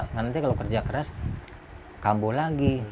nanti kalau kerja keras kambo lagi